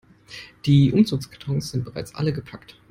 Die Umzugskartons sind bereits alle gepackt.